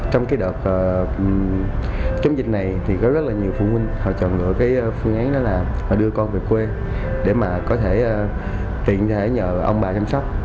trong cái đợt chống dịch này thì có rất là nhiều phụ huynh họ chọn lựa cái phương án đó là đưa con về quê để mà có thể tiện thể nhờ ông bà chăm sóc